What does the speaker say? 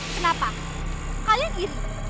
kenapa kalian iri